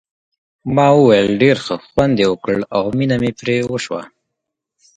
ما وویل ډېر ښه خوند یې وکړ او مینه مې پرې وشوه.